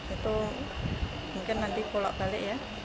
itu mungkin nanti bolak balik ya